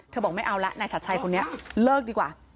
บอกไม่เอาละนายชัดชัยคนนี้เลิกดีกว่า